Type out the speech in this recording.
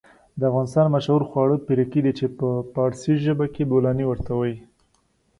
د افغانستان مشهور خواړه پيرکي دي چې په فارسي ژبه کې بولانى ورته وايي.